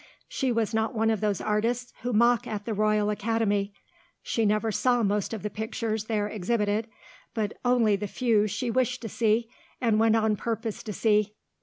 She was not one of those artists who mock at the Royal Academy; she never saw most of the pictures there exhibited, but only the few she wished to see, and went on purpose to see.